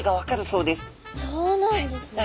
そうなんですね。